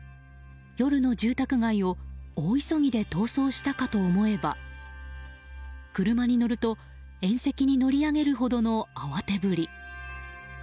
夜の住宅街を大急ぎで逃走したかと思えば車に乗ると縁石に乗り上げるほどの慌てぶり。